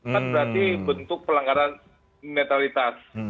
kan berarti bentuk pelanggaran netralitas